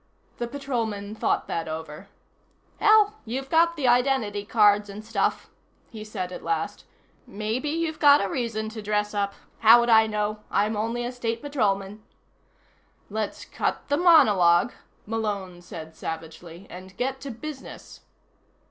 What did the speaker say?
The Patrolman thought that over. "Hell, you've got the identity cards and stuff," he said at last. "Maybe you've got a reason to dress up. How would I know? I'm only a State Patrolman." "Let's cut the monologue," Malone said savagely, "and get to business."